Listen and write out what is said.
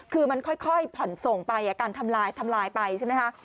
คือมันค่อยผ่อนส่งไปการทำลายทำลายไปใช่ไหมคะ